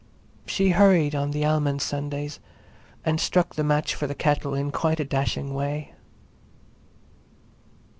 She hurried on the almond Sundays and struck the match for the kettle in quite a dashing way.